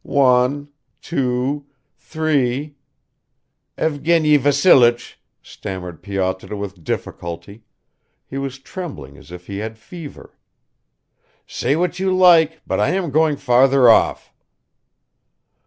"One, two, three ..." "Evgeny Vassilich," stammered Pyotr with difficulty (he was trembling as if he had fever), "say what you like, but I am going farther off."